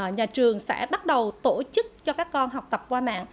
nhà trường sẽ bắt đầu tổ chức cho các con học tập qua mạng